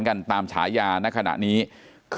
เป็นวันที่๑๕ธนวาคมแต่คุณผู้ชมค่ะกลายเป็นวันที่๑๕ธนวาคม